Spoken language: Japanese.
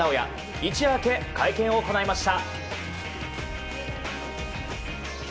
一夜明け、会見を行いました。